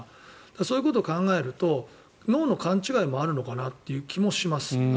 そういうことを考えると脳の勘違いもあるのかなっていう気もします。